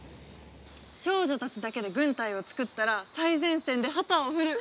少女たちだけで軍隊を作ったら最前線で旗を振る。